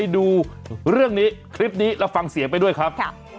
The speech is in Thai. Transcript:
ดูเรื่องนี้คลิปนี้แล้วฟังเสียงไปด้วยครับ